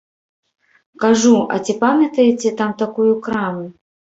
Кажу, а ці памятаеце там такую краму?